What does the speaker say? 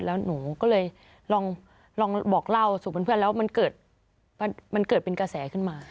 แล้วหนูก็เลยลองบอกเล่าสู่เพื่อนแล้วมันเกิดมันเกิดเป็นกระแสขึ้นมา